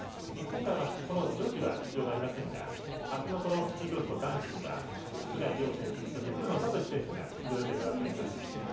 日本からは女子は出場がありませんがあすのスキークロスの男子には須貝龍選手そして古野慧選手が出場予定となっています。